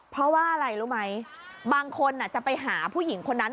เพราะว่าอะไรรู้ไหมบางคนจะไปหาผู้หญิงคนนั้น